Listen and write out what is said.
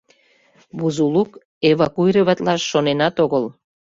Бузулук эвакуироватлаш шоненат огыл.